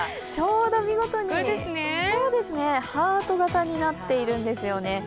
ちょうと見事にハート型になっているんですよね。